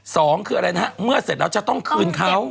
สองคืออะไรนะฮะเมื่อเสร็จแล้วจะต้องคืนเขา